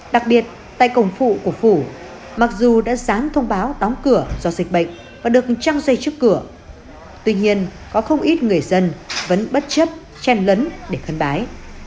đặc biệt tại cổng phụ của phủ mặc dù đã dáng thông báo đóng cửa do dịch bệnh và được trăng dây trước cửa tuy nhiên có không ít người dân vẫn bất chấp chen lấn để thân bái